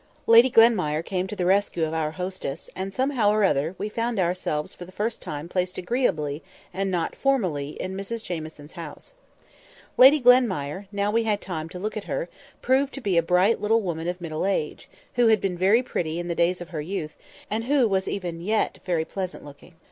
Lady Glenmire came to the rescue of our hostess, and, somehow or other, we found ourselves for the first time placed agreeably, and not formally, in Mrs Jamieson's house. Lady Glenmire, now we had time to look at her, proved to be a bright little woman of middle age, who had been very pretty in the days of her youth, and who was even yet very pleasant looking.